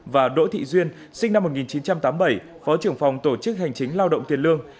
và đỗ thị duyên sinh năm một nghìn chín trăm tám mươi bảy phó trưởng phòng tổ chức hành chính lao động tiền lương